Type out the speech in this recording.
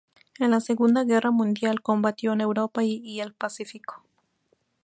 En la Segunda Guerra Mundial combatió en Europa y el Pacífico.